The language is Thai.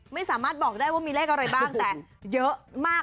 ไม่สามารถบอกได้ว่ามีเลขอะไรบ้างแต่เยอะมาก